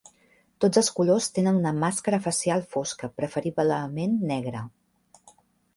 Tots els colors tenen una màscara facial fosca, preferiblement negra.